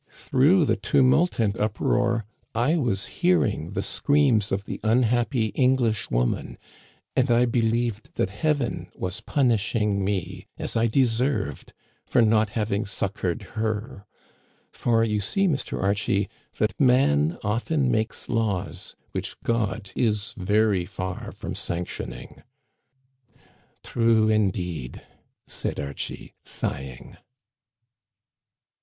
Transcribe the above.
Through the tumult and uproar I was hearing the screams of the un happy English woman, and I believed that Heaven was punishing me, as I deserved, for not having succored .her. For, you see, Mr. Archie, that man often makes laws which God is very far from sanctioning." " True, indeed," said Archie, sighing.